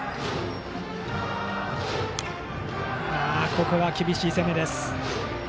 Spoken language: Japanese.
ここは厳しい攻めです。